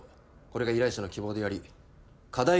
これが依頼者の希望であり課題